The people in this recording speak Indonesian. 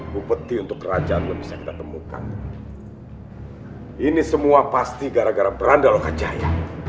bukti untuk kerajaan bisa kita temukan ini semua pasti gara gara beranda loka jaya